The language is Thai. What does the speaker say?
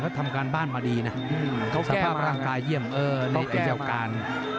เขาทำการบ้านมาดีนะสภาพร่างกายเยี่ยมล็อกแก้วการ